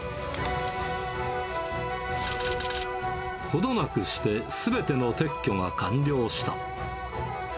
ほどなくして、すべての撤去が完了した。